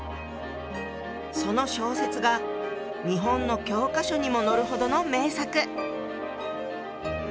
その小説が日本の教科書にも載るほどの名作！